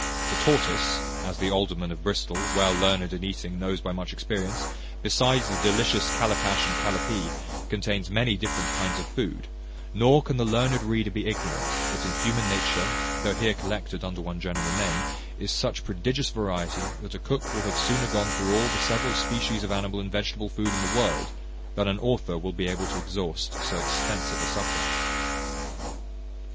The tortoise as the alderman of Bristol, well learned in eating, knows by much experience besides the delicious calipash and calipee, contains many different kinds of food; nor can the learned reader be ignorant, that in human nature, though here collected under one general name, is such prodigious variety, that a cook will have sooner gone through all the several species of animal and vegetable food in the world, than an author will be able to exhaust so extensive a subject.